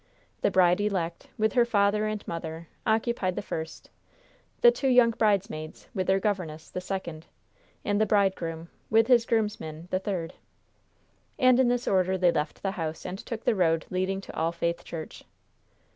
The bride elect, with her father and mother, occupied the first; the two young bridesmaids, with their governess, the second; and the bridegroom, with his groomsman, the third. And in this order they left the house and took the road leading to All Faith Church.